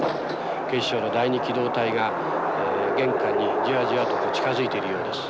警視庁の第二機動隊が玄関にじわじわと近づいているようです。